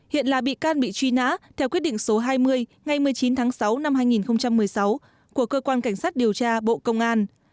hiện là bị can bị truy nã theo quyết định số hai mươi ngày một mươi chín tháng sáu năm hai nghìn một mươi sáu của cơ quan cảnh sát điều tra bộ công an